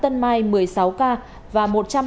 tân mai một mươi sáu ca